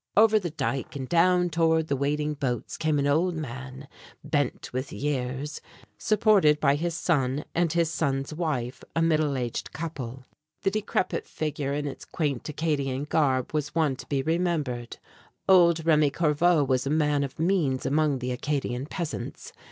Over the dike and down toward the waiting boats came an old man, bent with years, supported by his son and his son's wife a middle aged couple. The decrepit figure in its quaint Acadian garb was one to be remembered. Old Remi Corveau was a man of means among the Acadian peasants.